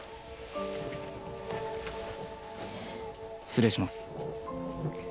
・失礼します。